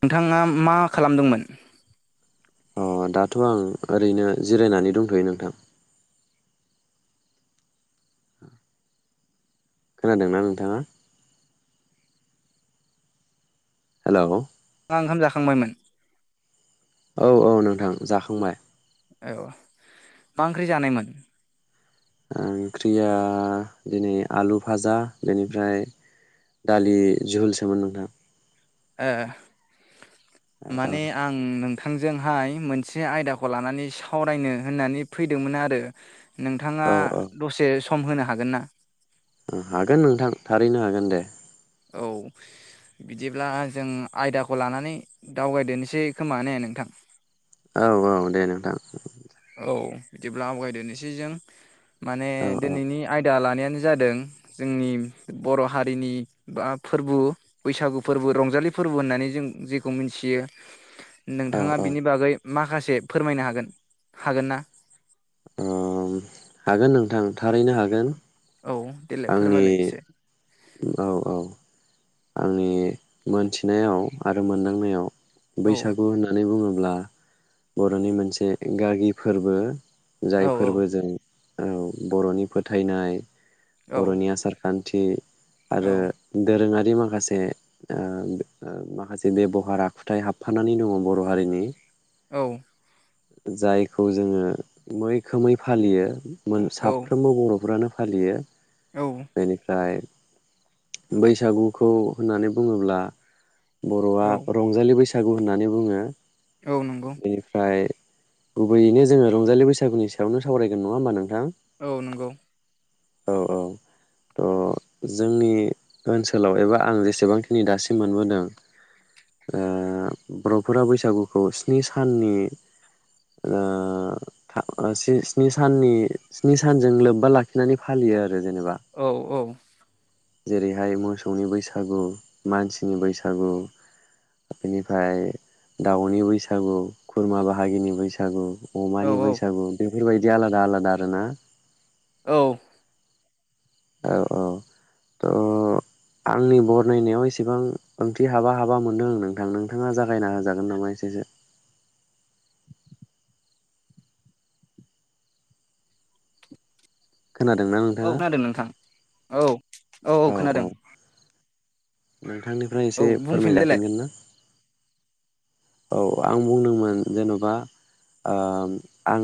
नोंथाङा मा खालामदोंमोन? अ दाथ' आं ओरैनो जिरायनानै दंथ'यो नोंथां। खोनादोंना नोंथाङा? हेलौ। आं ओंखाम जाखांबायमोन। औ औ नोंथां जाखांबाय। औ मा ओंख्रि जानायमोन? ओंख्रिया दिनै आलु भाजा बेनिफ्राय दालि जहुलसोमोन नोंथाङा। ए औ माने आं नों नींथांजोंहाय मोनसे आयदाखौ लानानै सावरायनो होननानै फैदोंमोन आरो नोंथाङा औ औ दसे समम होनो हागोन ना? हागोन नोंथां थारैनो हागोन दे। औ बिदिब्ला जों आयदाखौ लानानै दावगायदेरनोसै खोमाने नोंथां? औ औ दे नोंथां। औ बिदिब्ला आवगायदेरनोसै जों। माने औ औ दिनैनि आयदा लानायानो नो जादों जोंनि बर हारिनि बा फोरबो बैसागु फोरबो रंजालि फोरबो होननानै जों जेखौ मिथियो। औ नोंथाङा औ बिनि बागै माखासे फोरमायनो हागोन हागोना ओम हागोन नोंथां थारैनो हागोन औ देलाय आंनि फोरमायलाय एसे औ औ आंनि मोनथिनायाव आरो मोनदांनायाव औ बैसागु होननानै बुङोब्ला बरनि मोनसे गागि फोरबो औ औ जायफोरबो जों औ बर'नि फोथायनाय औ बर'नि आसारखान थि औ आरो दोरोङा रि माखासे ओ माखासे बेबहार आखुथाय हाबफानानै दङ बर हारिनि औ जायखौ जोङो मैखोमै फालियो मोन औ साफ्रोमबो बरफ्रानो फालियो औ बेनिफ्राय बैसागुखौ होननानै बुङोब्ला बर'आ औ रंजालि बै सागु होननानै बुङो औ नंगौ बेनिफ्राय गुबैयैनो जोङो रंजालि बैसागुनि सायावनो सावरायगोन नङा होमबा नोंथां औ नोंगौ औ औ अ जोंनि ओनसोलाव एबा आं जेसेबांखिनि दासिम मोनबोदों ओ बर'फोरा बैसागुखौ स्नि साननि ओ था ओ सि-स्नि सानजों लोब्बा लाखिनानै फालियो आ औ औ जेरैहाय मोसौनि बैसागु मानसिनि बैसागु बेनिफ्राय दाउनि बैसागु खुरमा बाहागिनि बैसागु अमानि औ औ बैसागु बे बेबायदि आला दा आला द आरोना औ औ औ थ आंनि बरनायनायाव एसेबां ओंथि हाबा हाबा मोनदों आं नोंथां नोंथाङा जागायना होजागोन नामा एसेसो खोनादोंना औ नोंथाङा खोनादों नोंथां औ औ औ खोनादों नोंथांनिफ्राय औ एसे बुंफिनलायलाय फोरमायजाफिनगोन ना औ आं बुंदोंमोन जेनबा ओम आं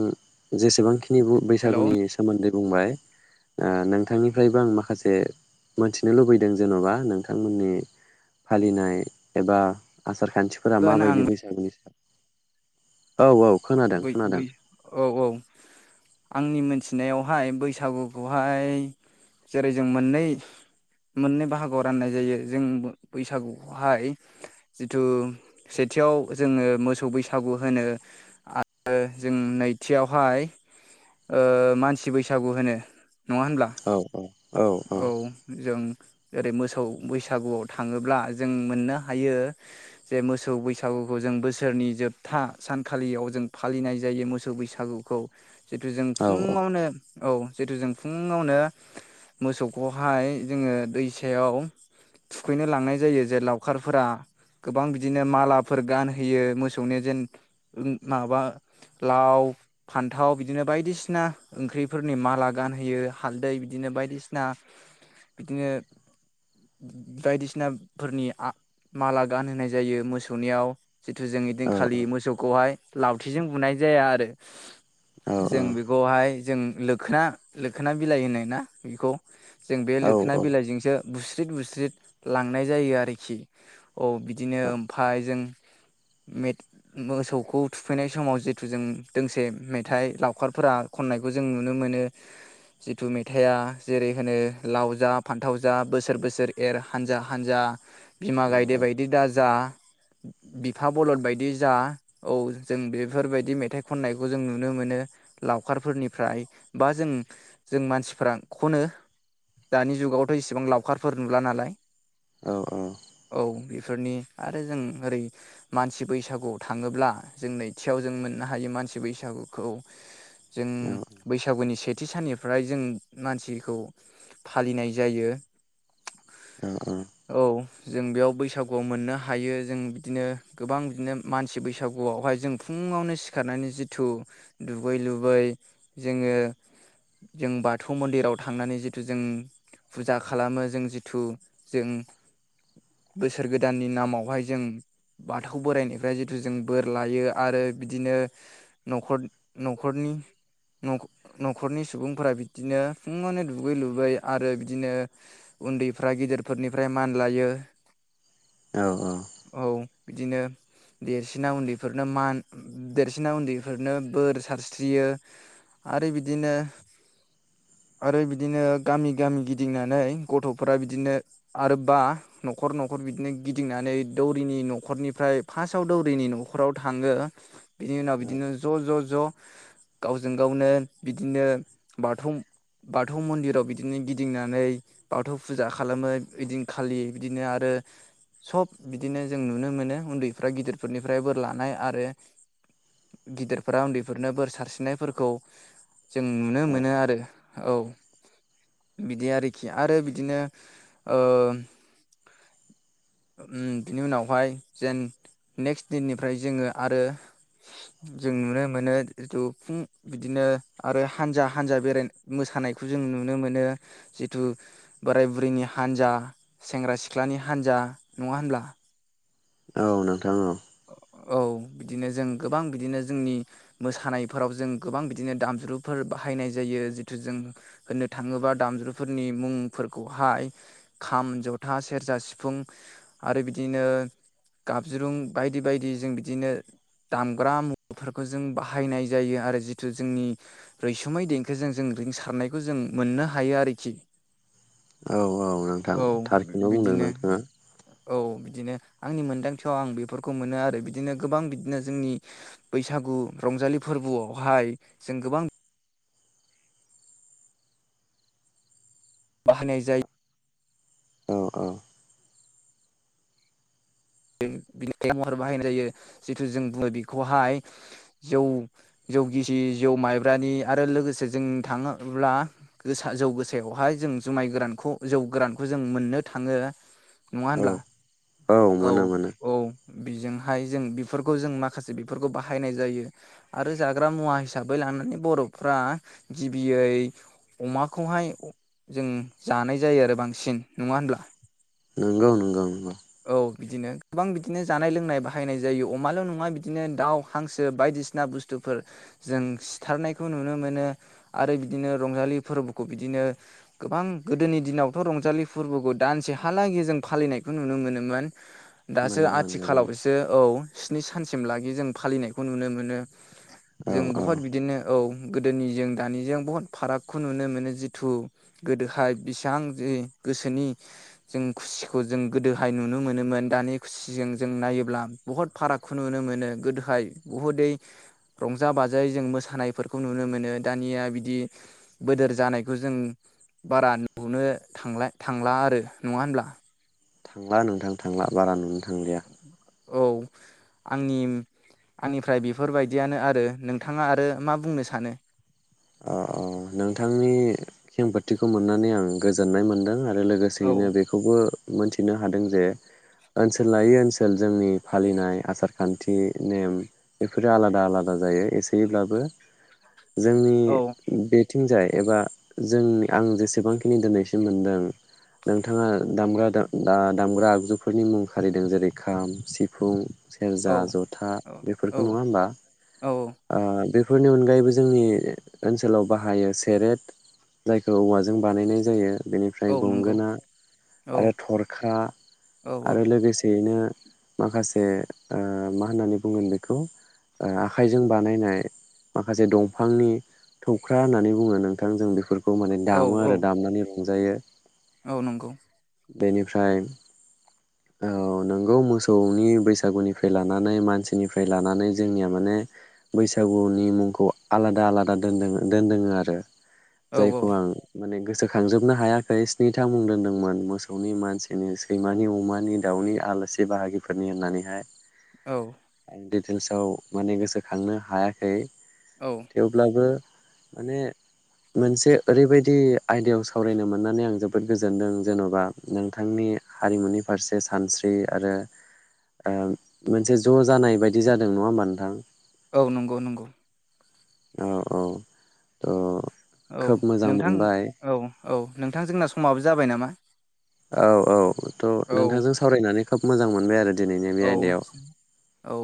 जेसेबांखि नि बु हेलौ बैसागुनि सोमोन्दै बुंबाय ओ नोंथांनिफ्रायबो आं माखासे मोनथिनो लुबैदों जेनबा नोंथांमोननि फालिनाय एबा आसार खान्थिफोरा होन आं माबायदि? [unintelligible] खोनादों बै खोनादों बै औ औ आंनि मोनथिनायावहाय बैसागुखौहाय जेरै जों मोननै मोननै बाहागोआव राननाय जायो जों बैसागुखौहाय जिथु सेथियाव जोङो मोसौ बैसागु होनो। आरो जों नैथियावहाय ओ मानसि बैसागु होनो। नङा होनब्ला औ औ औ जों जेरै मोसौ बैसागुआव थाङोब्ला जों मोननो हायो जे मोसौ बैसागुखौ जों बोसोरनि जोबथा सानखालियाव जों फालिनाय जायो मोसौ बैसागुखौ। जितु जों औ फुङावनो औ जितु जों फुङावनो मोसौखौहाय जोङो दैसायाव थुखैनो लांनाय जायो जे लावखारफोरा गोबां बिदिनो मालाफोर गानहोयो मोसौनि जेन माबा लाव फान्थाव बिदिनो बायदिसिना ओंख्रिफोरनि माला गानहोयो हालदै बिदिनो बायदिसिन ना बिदिनो बायदिसिनाफोरनि आ माला गानहोनाय जायो मोसौनियाव। जितु जों ओइदिनखालि मोसौखौहाय लावथिजों बुनाय जाया आरो औ औ जों बेखौहाय जों लोखोना लोखोना बिलाइ होनो ना बेखौ जों बे औ लोखोना औ बिलाइजोंसो बुस्रिद बुस्रिद लांनाय जायो आरोखि औ बिदिनो ओमफाय जों मे मोसौखौ थुखैनाय समाव जिथु जों दोंसे मेथाइ लावखारफोरा खननायखौ जों नुनो मोनो जिथु मेथाइआ जेरै होनो लाव जा फान्थाव जा बोसोर बोसोर एर हानजा हानजा बिमा गायदे बायदि दा जा बिफा बलद बायदि जा औ जों बेफोरबायदि मेथाइ खननायखौ जों नुनो मोनो लावखारफोरनिफ्राय बा जों जों मानसिफ्रा खनो दानि जुगावथ' इसिबां लावखारफोर नुला नालाय औ औ बेफोरनि आरो जों ओरै मानसि बैसागुआव थाङोब्ला जों नैथियाव जों मोननो हायो मानसि बैसागुखौ जों औ बैसागुनि सेथि साननिफ्राय जों मानसिखौ फालिनाय जायो औ जों बेयाव बैसागुआव मोननो हायो जों बिदिनो गोबां बिदिनो मानसि बैसागुआवहाय जों फुङावनो सिखारनानै जिथु दुगै लुबै जोङो जों बाथ थौ मन्दिराव थांनानै जिथु जों फुजा खालामो जों जिथु जों बोसोर गोदाननि नामावहाय जों बाथौ बोराइनिफ्राय जिथु जों बोर लायो आरो बिदिनो न'खर न'खरनि न'ख न'खरनि सुबुंफोरा बिद दिनो फुङावनो दुगै लुबै आरो बिदिनो उन्दैफ्रा गेदेरफोरनिफ्राय मान लायो। औ औ बिदिनो देरसिना उन्दैफोरनो मान देरसिना उन्दैफोरनो बोर सारस्रियो आरो बिदिनो आरो बिदिनो गामि गामि गिदिंनानै गथ'फोरा बिदिनो आरोबा न'खर न'खर बिदिनो गिदिंनानै दौरिनि न'खरनिफ्राय फासआव दौरिनि न'खराव थाङो बिनि उनाव बिदिनो ज' ज' ज' गावजों गावनो बिदिनो बाथौ बाथौ मन्दिराव बिदिनो गिदिंनानै बाथौ फुजा खालामो ओइदिनखालि बिदिनो आरो सब बिदिनो जों नुनो मोनो उन्दैफ्रा गिदिरफोरनिफ्राय बोर लानाय आरो गिदिरफ्रा उन्दैफोरनो बोर सारस्रिनायफोरखौ जों नुनो मोन औ बिदि आरोखि आरो बिदिनो ओम उम बिनि उनावहाय जेन नेक्स्ट दिननिफ्राय जोङो आरो जों नुनो मोनो जिथु फुं बिदिनो आरो हानजा हानजा बेराय मोसानायखौ जों नुनो मोनो जिथु बोराय बुरैनि हानजा सेंग्रा सिख्लानि हानजा नङा होनब्ला? औ नोंथां औ औ बिदिनो जों गोबां बिदिनो जोंनि मोसानायफोराव जों गोबां बिदिनो दामज्रुफोर बाहायनाय जायो जिथु जों होननो थाङोबा दामज्रुफोरनि मुंफोरखौहाय खाम, जथा, सेरजा, सिफुं आरो बिदिनो गाबज्रुं बायदि बायदि जों बिदिनो दामग्रा मुवाफोरखौ जों बाहायनाय जायो आरो जिथु जोंनि रैसुमै देंखोजों जों रिंसारनायखौ जों मोननो हायो आरोखि। औ औ नोंथां औ थारखौनो बुंदों बिदिनो नोंथाङा। औ बिदिनो आंनि मोनदांथियाव आं बेफोर खौ मोनो आरो बिदिनो गोबां बिदिनो जोंनि बैसागु रंजालि फोरबोआवहाय जों गोबां बाहायनाय जायो। अ अ बिनि महर बाहायनाय जायो जिथु जों बुङो बेखौहाय जौ जौ गिसि जौ माइब्रानि आरो लोगोसे जों थाङोब्ला गोसा जौ गोसायावहाय जों जुमाय गोरानखौ जौ गोरानखौ जों मोननो थाङो। नङा औ होनब्ला? औ मोनो मोनो औ बिजोंहाय जों बिफोरखौ जों माखासे बिफोरखौ बाहायनाय जायो आरो जाग्रा मुवा हिसाबै लानानै बरफ्रा गिबियै अमाखौहाय जों जानाय जायो आरो बांसिन नङा होनब्ला? नोंगौ नोंगौ नोंगौ औ बिदिनो गोबां बिदिनो जानाय लोंनाय बाहायनाय जायो अमाल नङा बिदिनो दाउ हांसो बायदिसिना बुस्थुफोर जों सिथारनायखौ नुनो मोनो आरो बिदिनो रंजालि फोरबोखौ बिदिनो गोबां गोदोनि दिनावथ रंजालि फोरबोखौ दानसेहालागै जों फालिनायखौ नुनो मोनोमोन दासो मोनोमोन मोनोमोन आथिखालावसो औ स्नि सानसिम लागि जों फालिनायखौ नुनो मोनो औ जों औ बहुत बिदिनो औ गोदोनिजों दानिजों बहुत फारागखौ नुनो मोनो जिथु गोदोहाय बेसेबां जि गोसोनि जों खुसिखौ जों गोदोहाय नुनो मोनोमोन दानि खुसिजों जों नायोब्ला बुहुत फारागखौ नुनो मोनो गोदोहाय बुहुदै रंजा बाजायै जों मोसानायफोरखौ नुनो मोनो दानिया बिदि बोदोर जानायखौ जों बारा नुनो थांला थांला आरो नङा होनब्ला? थांला नोंथां थांला बारा नुनो थांलिया औ आंनि आंनिफ्राय बेफोरबायदियानो आरो नोंथाङा आरो मा बुंनो सानो? अ अ नोंथांनि खेंफोरथिखौ मोननानै आं गोजोननाय मोनदों आ रो औ लोगोसेयैनो बेखौबो मोनथिनो हादों जे ओनसोल लायै ओनसोल जोंनि फालिनाय आसार खान्थि नेम बेफोरो आलादा आलादा जायो एसेयैब्लाबो जोंनि औ बे थिंजाय एबा जों आं जेसेबांखिनि दिनैसिम मोनदों नोंथाङा दामग्रा दा दा दामग्रा आगजुफोरनि मुं खारिदों जेरै खाम सिफुं औ सेरजा जथा औ बेफोरखौ नङा औ होमबा औ ओ बे बेफोरनि अनगायैबो जोंनि ओनसोलाव बाहायो सेरेट जायखौ औवाजों बानायनाय जायो बेनिफ्राय औ नंगौ गंगोना औ आरो थरखा औ आरो लोगोसेयैनो माखासे ओ मा होननानै बुंगोन बेखौ ओ आखाइजों बानायनाय माखासे दंफांनि खख्रा होननानै बुङो नोंथां जों बेफोर खौ माने औ दामो औ आरो दामनानै खुंजायो औ नंगौ बेनिफ्राय औ नोंगौ मोसौनि बैसागुनिफ्राय लानानै मानसिनिफ्राय लानानै जोंनिया माने बैसागुनि मुंखौ आलादा आलादा दोनदों दोनदों आरो औ औ जायखौ आं माने गोसो सोखांजोबनो हायाखै स्निथा मुं दोनदोंमोन मोसौनि मानसिनि सैमानि अमानि दाउनि आलासि बाहागिफोरनि होननानैहाय औ आं दिडिटेल्सआव माने गोसोखांनो हायाखै औ थेवब्लाबो माने मोनसे ओरैबायदि आयदायाव सावरायनो मोननानै आं जोबोद गोजोनदों जेनबा नोंथांनि हारिमुनि फारसे सानस्रि आरो ओ मोनसे ज जानाय बायदि जादों नङा होमबा नोंथां? औ नंगौ नंगौ। औ औ अ औ नोंथां औ औ नोंथां जोंना समाबो जाबाय नामा? [inaudible] औ औ त' औ नोंथांजों सावरायनानै खोब मोजां मोनबाय आरो दिनैनि बे औ आयदायाव औ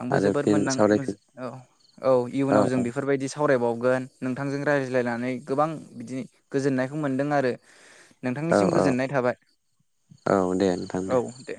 आंबो आरो जोबोद फिन मोनदां सावरायफिन औ औ इयुनाव जों बेफोरबायदि सावरायबावगोन नोंथांजों राय ज्लायनानै गोबां बिदि गोजोननायखौ मोन्दों आरो औ नोंथांनिसिम औ गोजोननाय थाबाय औ औ दे नोंथां औ दे।